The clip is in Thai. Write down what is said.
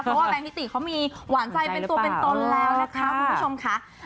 เพราะว่าแบงคิติเขามีหวานใจเป็นตัวเป็นตนแล้วนะคะคุณผู้ชมค่ะ